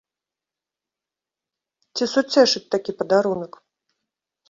Ці суцешыць такі падарунак?